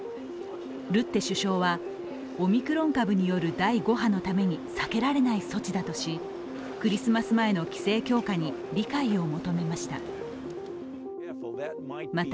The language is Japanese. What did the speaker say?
ルッテ首相は、オミクロン株による第５波のために避けられない措置だとし、クリスマス前の規制強化に理解を求めました。